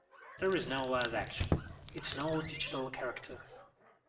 There is no live action; it's an all-digital character.